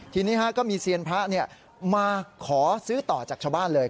ทีนี้ก็มีเซียนพระมาขอซื้อต่อจากชาวบ้านเลย